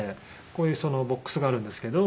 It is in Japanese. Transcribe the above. こういうボックスがあるんですけど。